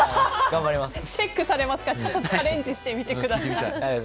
チェックされますからチャレンジしてみてください。